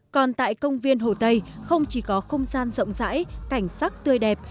còn tại công viên hồ tây không chỉ có không gian rộng rãi cảnh sắc tươi đẹp